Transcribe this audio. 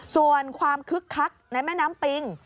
ส่วนความคึกคักในแม่น้ำปิง